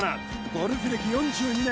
ゴルフ歴４２年